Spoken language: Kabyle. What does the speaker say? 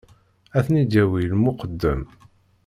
Ad ten-id-yawi i lmuqeddem.